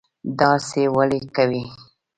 داسی ولې کوي